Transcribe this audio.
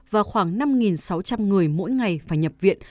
và khoảng năm sáu trăm linh người mỗi ngày phải nhập viện